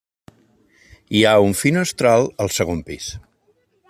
Hi ha un finestral al segon pis.